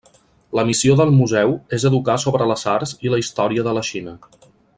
La missió del museu és educar sobre les arts i la història de la Xina.